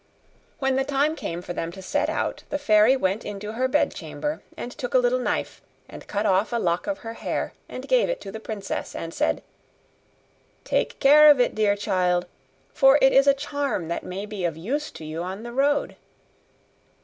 When the time came for them to set out, the fairy went into her bed chamber, and took a little knife, and cut off a lock of her hair, and gave it to the princess, and said, 'Take care of it, dear child; for it is a charm that may be of use to you on the road.